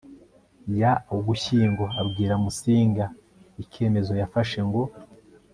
ya ugushyingo abwira musinga ikemezo yafashe ngo